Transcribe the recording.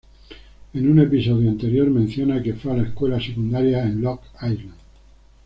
En un episodio anterior, menciona que fue a la escuela secundaria en Long Island.